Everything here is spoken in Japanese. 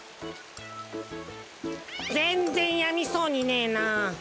ぜんぜんやみそうにねえなあ。